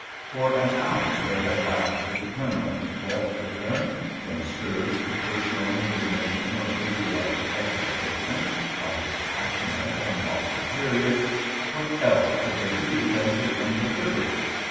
For an hour they had laughed with the Colonel, wept with him, been stirred to personal indignation or patriotic exaltation by his passionate and lofty periods—what else could they do than give him their verdict?